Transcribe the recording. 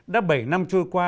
đã bảy năm trôi qua